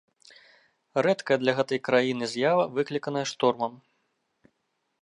Рэдкая для гэтай краіны з'ява выкліканая штормам.